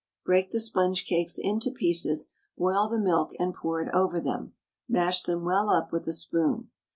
Break the sponge cakes into pieces, boil the milk and pour it over them; mash them well up with a spoon.